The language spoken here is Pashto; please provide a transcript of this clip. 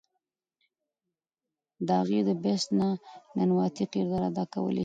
د دغه “Beast” نه د ننواتې کردار ادا کولے شي